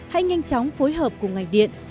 hãy nhanh chóng phối hợp cùng ngành điện